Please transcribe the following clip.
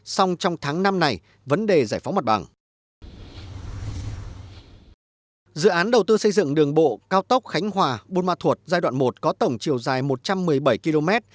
xây dựng đường bộ cao tốc khánh hòa bunma thuột giai đoạn một có tổng chiều dài một trăm một mươi bảy km